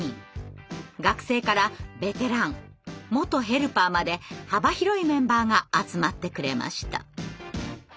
学生からベテラン元ヘルパーまで幅広いメンバーが集まってくれました。